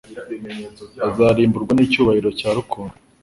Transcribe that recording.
Bazarimburwa n'icyubahiro cya Rukundo.